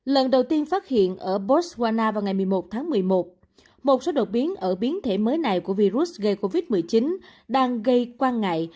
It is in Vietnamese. lần đầu tiên phát hiện ở botswana vào ngày một mươi một tháng một mươi một một số đột biến ở biến thể mới này của virus gây covid một mươi chín đang gây quan ngại